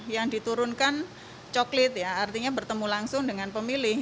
yang diturunkan coklit ya artinya bertemu langsung dengan pemilih